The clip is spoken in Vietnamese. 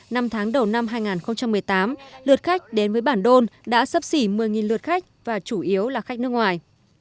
năm tháng đầu năm hai nghìn một mươi tám lượt khách đến với bản đôn đã sấp xỉ một mươi lượt khách và chủ yếu là khách nước ngoài